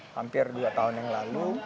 hampir dua tahun yang lalu